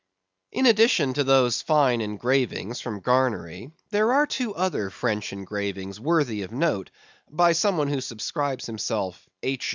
In addition to those fine engravings from Garnery, there are two other French engravings worthy of note, by some one who subscribes himself "H.